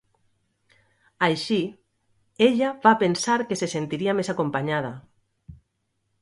Així, ella va pensar que se sentiria més acompanyada.